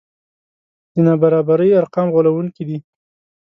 د نابرابرۍ ارقام غولوونکي دي.